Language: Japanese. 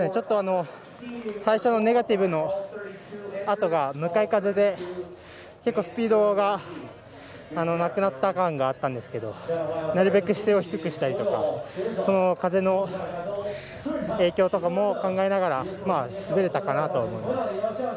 最初のネガティブのあとが向かい風で結構スピードがなくなった感があったんですがなるべく姿勢を低くしたりとか風の影響とかも考えながら滑れたと思います。